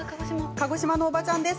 鹿児島のおばちゃんです。